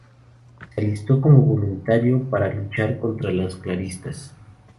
Se alistó como voluntario para luchar contra los carlistas.